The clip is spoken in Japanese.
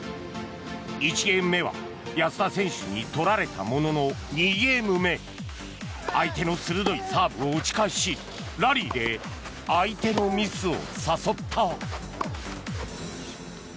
１ゲーム目は安田選手に取られたものの２ゲーム目相手の鋭いサーブを打ち返しラリーで相手のミスを誘った。